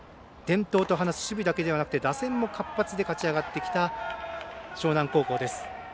守備だけではなく打線も活発で勝ち上がってきた樟南高校です。